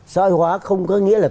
sợi hóa không có nghĩa là